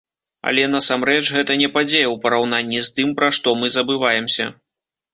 Але, насамрэч, гэта не падзея ў параўнанні з тым, пра што мы забываемся.